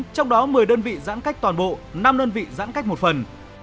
trong đó một mươi đơn vị giãn cách toàn bộ năm đơn vị giãn cách một phần